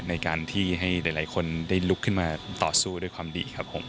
ในการที่ให้หลายคนได้ลุกขึ้นมาต่อสู้ด้วยความดีครับผม